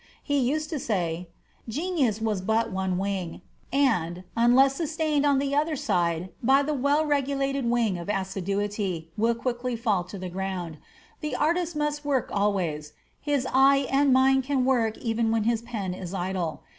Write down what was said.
He used to say, "Genius has but one wing, and, unless sustained on the other side by the well regulated wing of assiduity, will quickly fall to the ground. The artist must work always; his eye and mind can work even when his pen is idle.